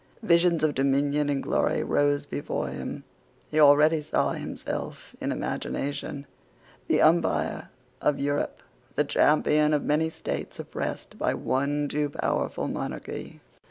Visions of dominion and glory rose before him. He already saw himself, in imagination, the umpire of Europe, the champion of many states oppressed by one too powerful monarchy.